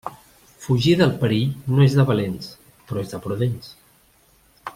Fugir del perill no és de valents, però és de prudents.